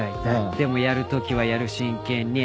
「でもやる時はやる真剣に」